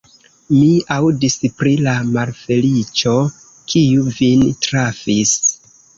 Mi aŭdis pri la malfeliĉo, kiu vin trafis.